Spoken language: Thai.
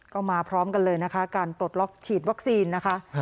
ก็มาพร้อมกันเลยนะคะการปลดล็อกฉีดวัคซีนนะคะ